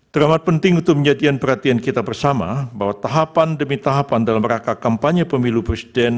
dramat penting untuk menjadikan perhatian kita bersama bahwa tahapan demi tahapan dalam rangka kampanye pemilu presiden